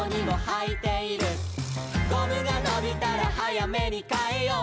「ゴムがのびたらはやめにかえよう」